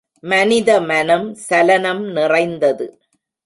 மனித மனம் சலனம் நிறைந்தது.